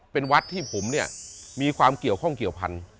เป็นวัดที่ผมเนี่ยมีความเกี่ยวข้องเกี่ยวพันธุ